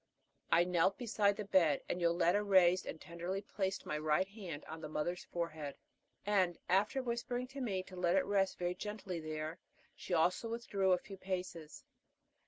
I knelt beside the bed, and Yoletta raised and tenderly placed my right hand on the mother's forehead, and, after whispering to me to let it rest very gently there, she also withdrew a few paces.